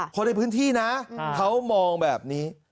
คนในพื้นที่นะเขามองแบบนี้